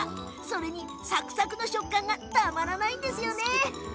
それにサクサクの食感がたまらないんですよね。